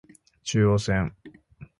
中央線